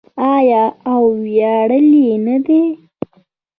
آیا او ویاړلې نه ده؟